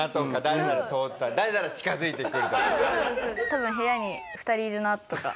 多分部屋に２人いるなとか。